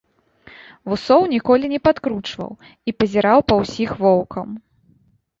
Вусоў ніколі не падкручваў і пазіраў па ўсіх воўкам.